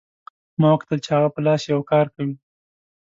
ما وکتل چې هغه په خپل لاس یو کار کوي